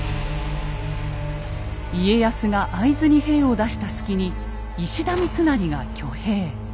家康が会津に兵を出した隙に石田三成が挙兵。